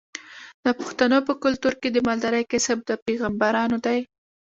د پښتنو په کلتور کې د مالدارۍ کسب د پیغمبرانو دی.